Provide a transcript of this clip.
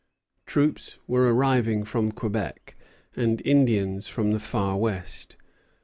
Troops were arriving from Quebec, and Indians from the far west.